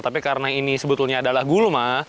tapi karena ini sebetulnya adalah gulma